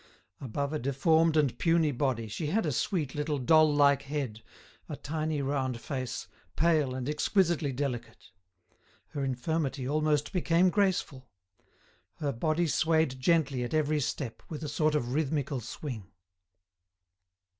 Above a deformed and puny body she had a sweet little doll like head, a tiny round face, pale and exquisitely delicate. Her infirmity almost became graceful. Her body swayed gently at every step with a sort of rhythmical swing.